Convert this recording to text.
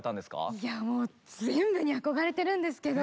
いやもう全部に憧れてるんですけど。